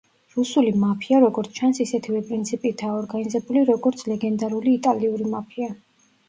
რუსული მაფია, როგორც ჩანს, ისეთივე პრინციპითაა ორგანიზებული, როგორც ლეგენდარული იტალიური მაფია.